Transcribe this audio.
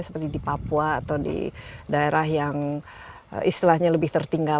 seperti di papua atau di daerah yang istilahnya lebih tertinggal